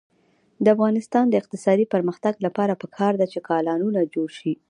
د افغانستان د اقتصادي پرمختګ لپاره پکار ده چې کانالونه جوړ شي.